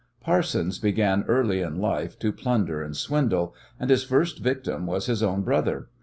Parsons began early in life to plunder and swindle, and his first victim was his own brother.